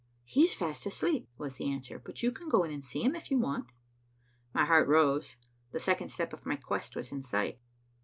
"He's fast asleep," was the answer, "but you can go in and see him, if you want to." My heart rose. The second step of my quest was in sight.